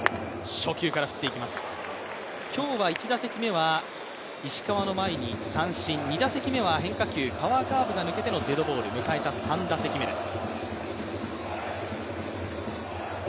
今日は１打席目は石川の前に三振、２打席目はパワーカーブが抜けてのデッドボール迎えて３打席目です。